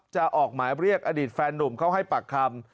จะออกหมายเรียกอดีตแฟนนุ่มเข้าให้ปากคำ